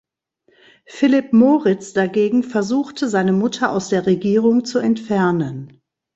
Philipp Moritz dagegen versuchte, seine Mutter aus der Regierung zu entfernen.